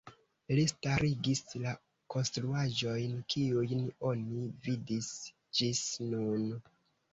Li starigis la konstruaĵojn kiujn oni vidis ĝis nun.